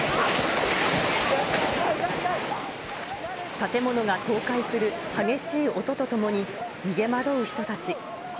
建物が倒壊する激しい音とともに、逃げ惑う人たち。